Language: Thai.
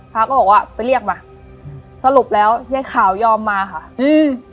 พระก็บอกว่าไปเรียกมาสรุปแล้วยายขาวยอมมาค่ะอืม